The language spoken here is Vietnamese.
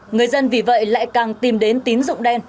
người dân vì vậy lại càng tìm đến tín dụng đen